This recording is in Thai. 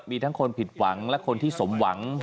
มีทั้งคนผิดหวังและคนที่สมหวัง